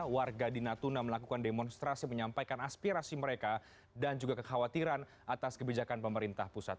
warga di natuna melakukan demonstrasi menyampaikan aspirasi mereka dan juga kekhawatiran atas kebijakan pemerintah pusat